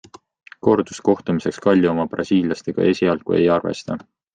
Korduskohtumiseks Kalju oma brasiillastega esialgu ei arvesta.